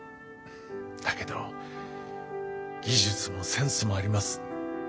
だけど技術もセンスもあります。